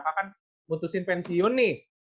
kak kan mutusin pensiun nih